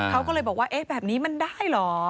เขาก็เลยบอกว่าเอ๊ะแบบนี้มันได้เหรอ